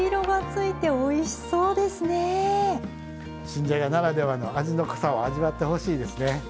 新じゃがならではの味の濃さを味わってほしいですね。